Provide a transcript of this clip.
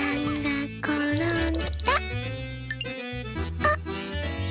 あっ！